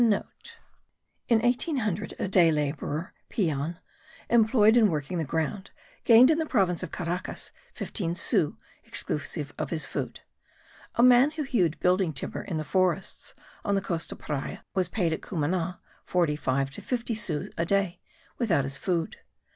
*(* In 1800 a day labourer (peon) employed in working the ground gained in the province of Caracas 15 sous, exclusive of his food. A man who hewed building timber in the forests on the coast of Paria was paid at Cumana 45 to 50 sous a day, without his food.